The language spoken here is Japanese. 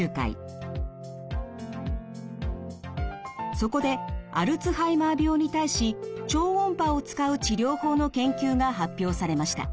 そこでアルツハイマー病に対し超音波を使う治療法の研究が発表されました。